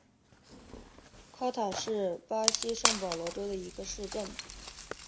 夸塔是巴西圣保罗州的一个市镇。